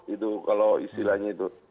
itu kalau istilahnya itu